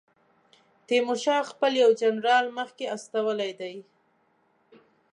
تیمورشاه خپل یو جنرال مخکې استولی دی.